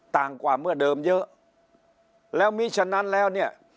กว่าเมื่อเดิมเยอะแล้วมีฉะนั้นแล้วเนี่ย